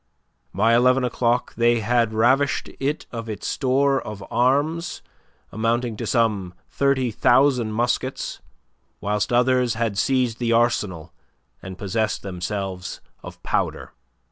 By eleven o'clock they had ravished it of its store of arms amounting to some thirty thousand muskets, whilst others had seized the Arsenal and possessed themselves of powder.